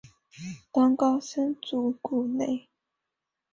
当高僧祖古内。